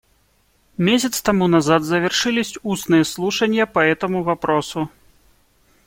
Месяц тому назад завершились устные слушания по этому вопросу.